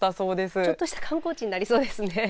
ちょっとした観光地になりそうですね。